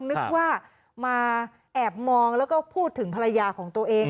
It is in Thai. นึกว่ามาแอบมองแล้วก็พูดถึงภรรยาของตัวเอง